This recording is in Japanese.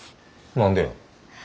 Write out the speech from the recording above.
何でや？